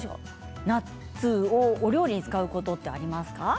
ナッツをお料理に使うことってありますか？